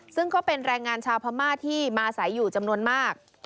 ซึ่งก็เป็นแรงงานชาวพม่าที่มาใส่อยู่จำนวนมาก